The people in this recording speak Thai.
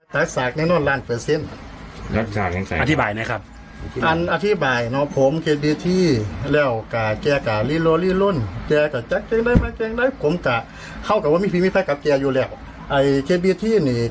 หลังนี้นี่ฤษีเปิดตัวแล้วใช่ไหมอืมเอาฟังเสียงฤษีสิ